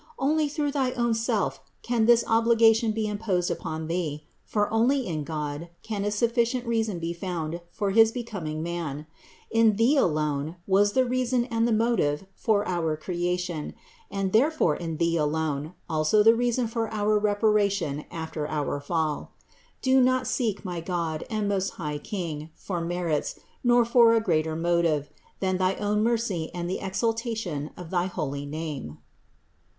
Only through thy own Self can this obligation be imposed upon Thee, for only in God can a sufficient reason be found for his becoming man: in Thee alone was the reason and the motive for our creation, and therefore in Thee alone also the reason for our reparation after our fall. Do not seek, my God and most high King, for merits, nor for a greater motive, than thy own mercy and the exaltation of thy holy name."